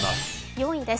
４位です。